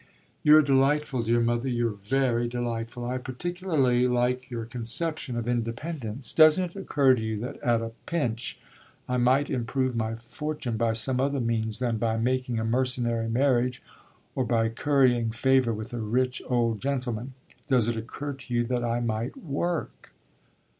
"You're delightful, dear mother you're very delightful! I particularly like your conception of independence. Doesn't it occur to you that at a pinch I might improve my fortune by some other means than by making a mercenary marriage or by currying favour with a rich old gentleman? Doesn't it occur to you that I might work?"